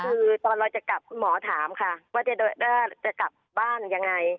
คือตอนเราจะกลับคุณหมอถามค่ะว่าจะกลับบ้านยังไง